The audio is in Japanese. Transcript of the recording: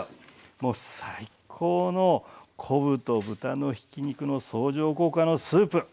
もう最高の昆布と豚のひき肉の相乗効果のスープ！